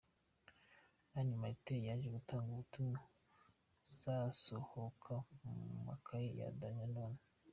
Mani Martin yaje gutanga ubutumwa buzasohoka mu makaye ya Dany Nanone.